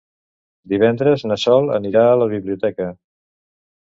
Divendres na Sol anirà a la biblioteca.